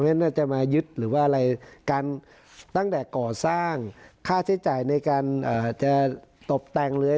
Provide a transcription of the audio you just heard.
น่าจะมายึดหรือว่าอะไรกันตั้งแต่ก่อสร้างค่าใช้จ่ายในการจะตบแต่งเลย